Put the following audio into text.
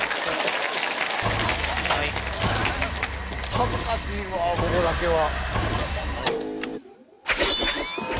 恥ずかしいわここだけは。